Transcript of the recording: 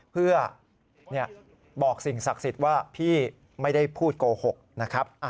เพื่อบอกสิ่งศักดิ์สิทธิ์ว่าพี่ไม่ได้พูดโกหกนะครับ